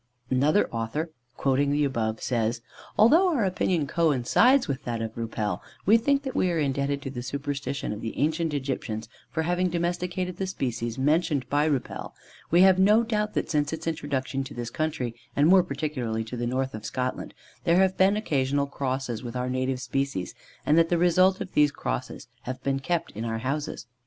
Another author, quoting the above, says: "Although our opinion coincides with that of Rüppel, and we think that we are indebted to the superstition of the ancient Egyptians for having domesticated the species mentioned by Rüppel, we have no doubt that since its introduction to this country, and more particularly to the north of Scotland, there have been occasional crosses with our native species, and that the result of these crosses have been kept in our houses.